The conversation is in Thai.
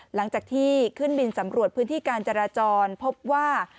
หลังจากที่ขึ้นบินสำรวจพื้นที่การจราจรพบว่า